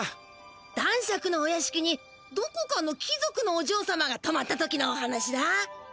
男爵のお屋しきにどこかの貴族のおじょうさまがとまった時のお話だ。